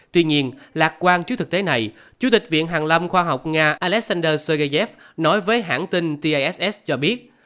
tuy nhiên lạc quan trước thực tế này chủ tịch viện hàng lâm khoa học nga alexander sergeyev nói với hãng tin tiss cho biết